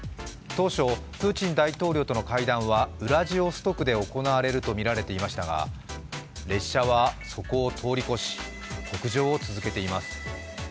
プーチン大統領との会談はウラジオストクで行われるとみられていましたが、列車はそこを通り越し北上を続けています。